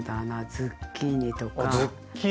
ズッキーニとか。